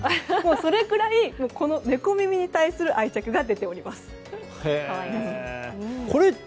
それくらいこの猫耳に対する愛着が出ております。